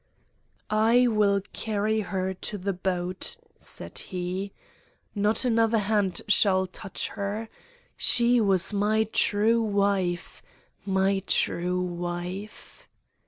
"I will carry her to the boat," said he. "Not another hand shall touch her. She was my true wife, my true wife!"